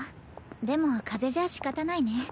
でも風邪じゃしかたないね。